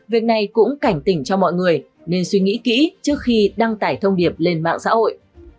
việc này cũng cảnh tỉnh cho mọi người nên suy nghĩ kỹ trước khi đăng tải thông điệp lên mạng xã hội